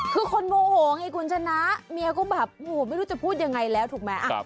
คือคนโมโหไงคุณชนะเมียก็แบบโอ้โหไม่รู้จะพูดยังไงแล้วถูกไหม